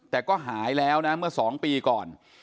แต่ก็หายแล้วนะเมื่อ๒ปีก่อน